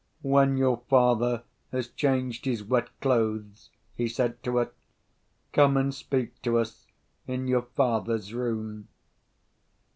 "When your father has changed his wet clothes," he said to her, "come and speak to us, in your father's room."